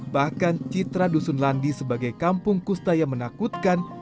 bahkan citra dusun landi sebagai kampung kusta yang menakutkan